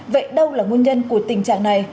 vậy đâu là nguồn nhân của tình trạng này